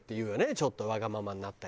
ちょっとわがままになったりね。